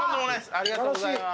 ありがとうございます。